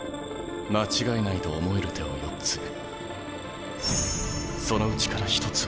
間違いないと思える手を４つそのうちから１つを。